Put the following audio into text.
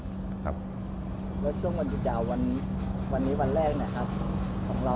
เวลาวันจุดยาววันนี้วันแรกของเรา